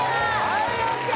はいＯＫ！